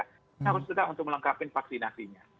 harus tetap untuk melengkapi vaksinasinya